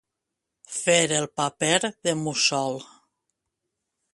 Fer el paper de mussol.